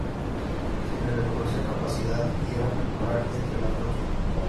Se le reconocía capacidad y era popular entre la tropa.